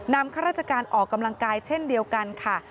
ข้าราชการออกกำลังกายเช่นเดียวกันค่ะ